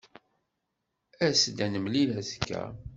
As-d ad nemlil azekka.